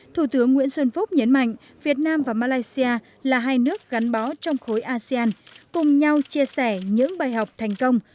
thủ tướng nguyễn xuân phúc nhấn mạnh việt nam và malaysia là hai nước gắn bó trong khối asean cùng nhau chia sẻ những bài học thành công